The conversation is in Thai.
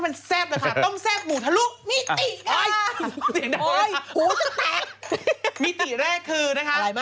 เขาบอกว่ารสดีซุปก้อน